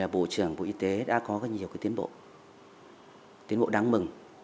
bộ trưởng bộ y tế đã có nhiều tiến bộ tiến bộ đáng mừng